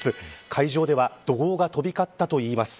会場では怒号が飛び交ったといいます。